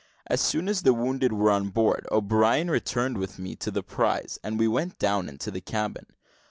As soon as the wounded were on board, O'Brien returned with me to the prize, and we went down into the cabin.